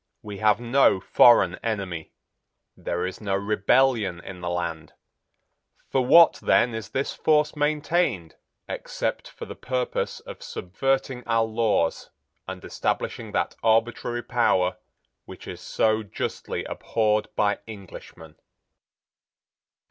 We have no foreign enemy. There is no rebellion in the land. For what, then, is this force maintained, except for the purpose of subverting our laws and establishing that arbitrary power which is so justly abhorred by Englishmen?"